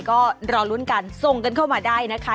ก็รอลุ้นกันส่งกันเข้ามาได้นะคะ